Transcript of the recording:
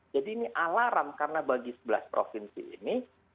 jadi ini alarm karena bagi sebelas provinsi ini